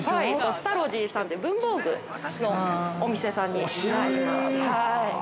◆スタロジーさんという文房具のお店さんになります。